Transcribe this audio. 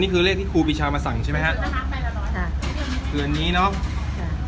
อ๋อนี่คือเลขที่ครูปีชามาสั่งใช่ไหมฮะคืออันนี้เนอะใช่